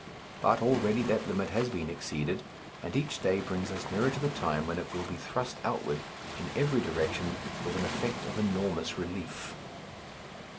But already that limit has been exceeded, and each day brings us nearer to the time when it will be thrust outward in every direction with an effect of enormous relief.